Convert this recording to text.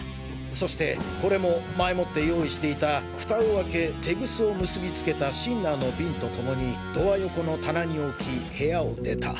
そしてこれも前もって用意していたフタを開けテグスを結びつけたシンナーのビンとともにドア横の棚に置き部屋を出た。